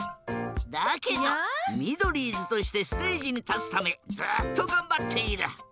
だけどミドリーズとしてステージにたつためずっとがんばっている。